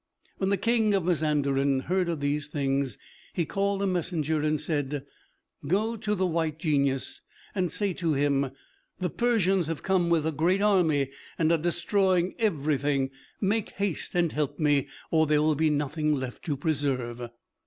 When the King of Mazanderan heard of these things he called a messenger, and said: "Go to the White Genius and say to him, 'The Persians have come with a great army and are destroying everything. Make haste and help me, or there will be nothing left to preserve.'"